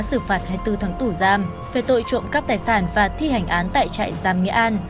xử phạt hai mươi bốn tháng tù giam về tội trộm cắp tài sản và thi hành án tại trại giam nghệ an